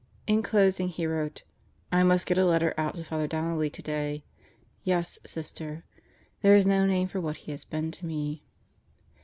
In closing he wrote: "I must get a letter out to Father Donnelly today. ... Yes, Sister ... there is no name for what he has been to me."